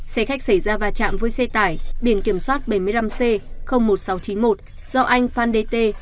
xe khách xảy ra va chạm với xe tải biển kiểm soát bảy mươi năm c một nghìn sáu trăm chín mươi một do anh phan đê tê